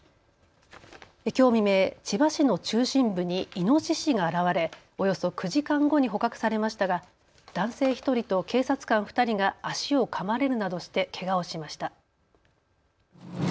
きょう未明、千葉市の中心部にイノシシが現れおよそ９時間後に捕獲されましたが男性１人と警察官２人が足をかまれるなどしてけがをしました。